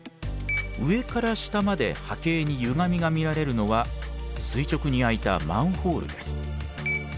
上から下まで波形にゆがみが見られるのは垂直に開いたマンホールです。